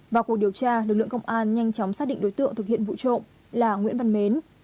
vào cuộc điều tra lực lượng công an nhanh chóng xác định đối tượng thực hiện vụ trộm là nguyễn văn mến